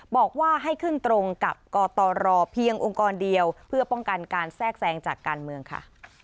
บอกว่าให้ขึ้นตรงกับกตรเพียงองค์กรเดียวเพื่อป้องกันการแทรกแทรงจากการเมืองค่ะ